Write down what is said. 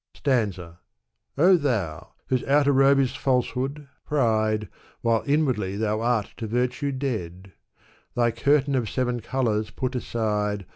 Stanza. O thou ! whose outer robe is falsehood, pride. While inwardly thou art to virtue dead ; Thy curtain ^ of seven colors put aside.